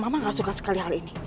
mama gak suka sekali hal ini